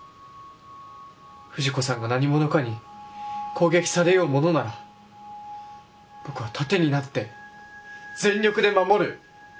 藤子さんが何者かに攻撃されようものなら僕は盾になって全力で守る。